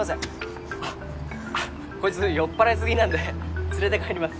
こいつ酔っ払いすぎなんで連れて帰ります